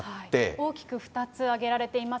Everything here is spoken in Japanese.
大きく２つ挙げられています。